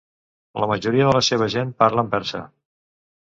La majoria de la seva gent parlen persa.